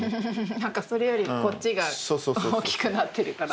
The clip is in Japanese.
何かそれよりこっちが大きくなってるから。